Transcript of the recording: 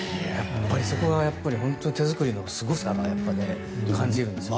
そこがやっぱり本当に手作りのすごさを感じるんですよね。